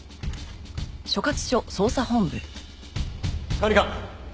管理官！